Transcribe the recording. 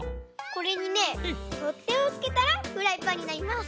これにねとってをつけたらフライパンになります！